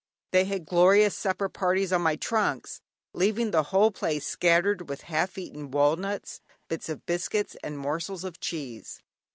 They had glorious supper parties on my trunks, leaving the whole place scattered with half eaten walnuts, bits of biscuit, and morsels of cheese.